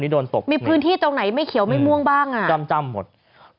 ได้มั้ยไม่มาก